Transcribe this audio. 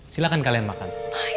silahkan kalian makan